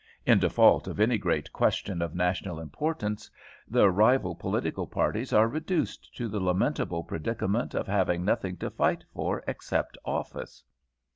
In default of any great question of national importance, the rival political parties are reduced to the lamentable predicament of having nothing to fight for except office.